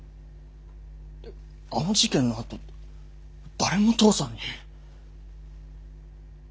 あの事件のあと誰も父さんに。